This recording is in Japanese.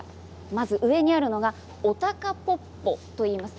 上があるのがおたかぽっぽといいます。